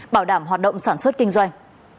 bảo đảm hoạt động sản xuất kinh doanh